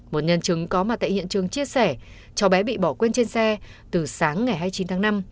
một nhân chứng có mặt tại hiện trường chia sẻ cháu bé bị bỏ quên trên xe từ sáng ngày hai mươi chín tháng năm